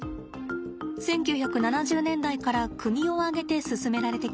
１９７０年代から国を挙げて進められてきました。